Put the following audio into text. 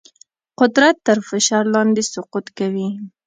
قدرت تر فشار لاندې سقوط کوي.